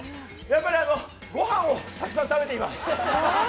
やっぱりご飯をたくさん食べています。